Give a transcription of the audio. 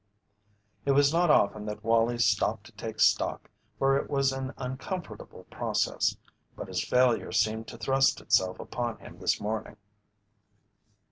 It was not often that Wallie stopped to take stock, for it was an uncomfortable process, but his failure seemed to thrust itself upon him this morning.